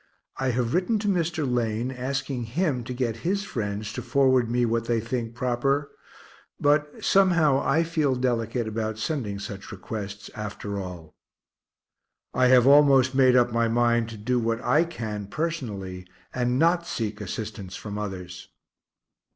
I have written to Mr. Lane, asking him to get his friends to forward me what they think proper but somehow I feel delicate about sending such requests, after all. I have almost made up my mind to do what I can personally, and not seek assistance from others.